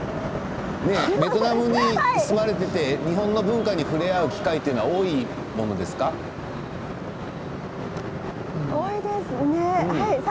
ベトナムに住まれていて日本の文化に触れ合う機会は多いですね。